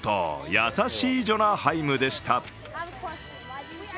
優しいジョナ・ハイムでした。